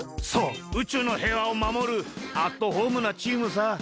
そう宇宙のへいわをまもるアットホームなチームさ。